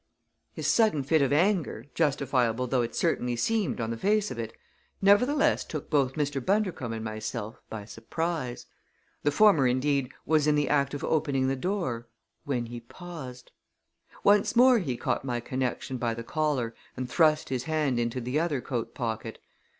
His sudden fit of anger, justifiable though it certainly seemed on the face of it, nevertheless took both Mr. Bundercombe and myself by surprise. The former, indeed, was in the act of opening the door, when he paused. Once more he caught my connection by the collar and thrust his hand into the other coat pocket.